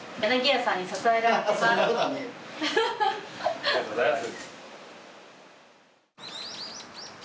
ありがとうございます。